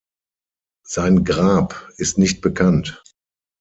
Sein Grab ist nicht bekannt.